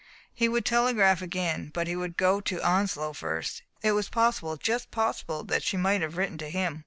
He would telegraph again, but he would go to Onslow first ; it was possible — ^just possible — that she might have written to him.